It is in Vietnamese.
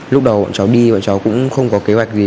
lúc đầu bọn cháu đi bọn cháu cũng không có kế hoạch gì